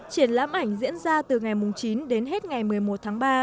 triển lãm ảnh diễn ra từ ngày chín đến hết ngày một mươi một tháng ba